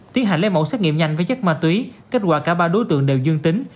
tiến hành lấy mẫu xét nghiệm nhanh với chất ma túy kết quả cả ba đối tượng đều dương tính